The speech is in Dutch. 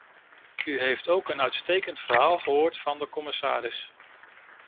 U heeft ook een uitstekend verhaal gehoord van de commissaris.